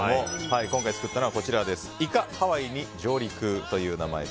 今回、作ったのはイカハワイに上陸という名前。